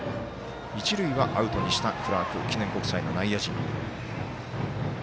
一塁はアウトにしたクラーク記念国際の内野陣。